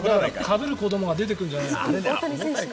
かぶる子どもが出てくるんじゃないかな。